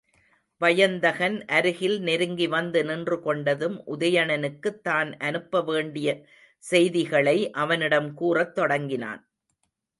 வயந்தகன் அருகில் நெருங்கி வந்து நின்று கொண்டதும், உதயணனுக்குத் தான் அனுப்ப வேண்டிய செய்திகளை, அவனிடம் கூறத் தொடங்கினான்.